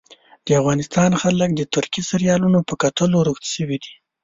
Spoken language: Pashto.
د افغانستان خلک د ترکي سیریالونو په کتلو روږدي سوي دي